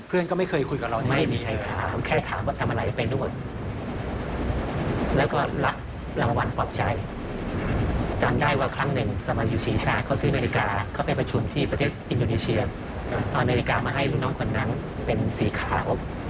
เอาอเมริกามาให้ลูกน้องคนนั้นเป็นสีขาว